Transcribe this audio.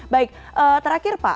baik terakhir pak